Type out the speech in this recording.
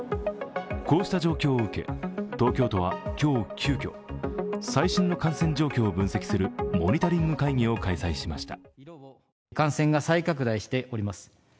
こうした状況を受け、東京都は今日、急きょ最新の感染状況を分析するモニタリング会議を開催しました。